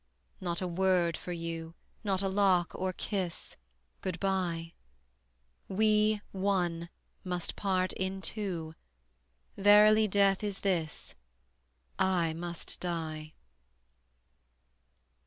Not a word for you, Not a lock or kiss, Good by. We, one, must part in two: Verily death is this: I must die.